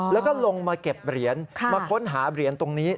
แล้วก็ลงมาเก็บเหรียญมาค้นหาเหรียญตรงนี้